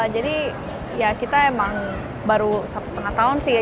jadi ya kita emang baru satu setengah tahun sih ya